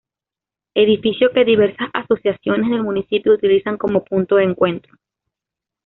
Edificio que diversas asociaciones del municipio utilizan como punto de encuentro.